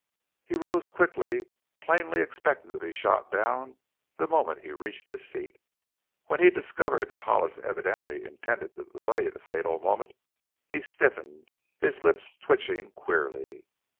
He rose quickly, plainly expecting to be shot down the moment he reached his feet. When he discovered that Hollis evidently intended to delay the fatal moment he stiffened, his lips twitching queerly.